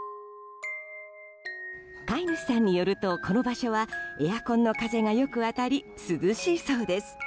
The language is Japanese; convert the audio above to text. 飼い主さんによると、この場所はエアコンの風がよく当たり涼しいそうです。